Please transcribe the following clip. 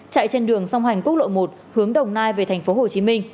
chạy trên đường sông hành cúc lộ một hướng đồng nai về tp hcm